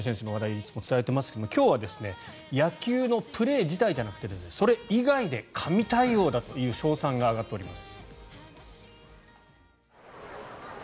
いつも伝えていますが今日は野球のプレー自体じゃなくてそれ以外で神対応だという称賛が上がっております。